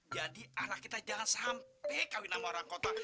jadi anak kita jangan sampai kawinan sama orang kota